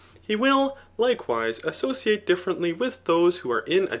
He will, likewise, associate differently with diose who are in a?